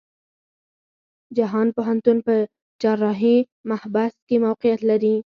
جهان پوهنتون په چهارراهی محبس کې موقيعت لري.